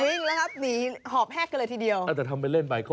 วิ่งแล้วหนีหอบแห๊กกันเลยทีเดียว